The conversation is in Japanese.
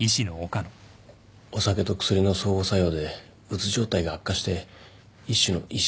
お酒と薬の相互作用でうつ状態が悪化して一種の意識